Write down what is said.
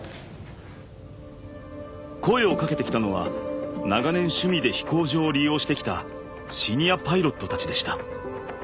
声をかけてきたのは長年趣味で飛行場を利用してきたシニアパイロットたちでした。